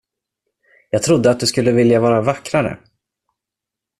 Jag trodde att du skulle vilja vara vackrare.